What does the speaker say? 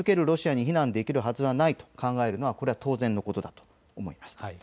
ロシアに避難できるはずはないと考えるのはこれ、当然のことだと思います。